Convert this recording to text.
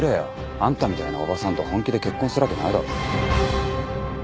あんたみたいなおばさんと本気で結婚するわけないだろ。